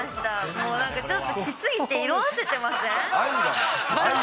もうなんかちょっと着過ぎて色あせてません？